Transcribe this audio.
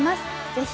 ぜひ。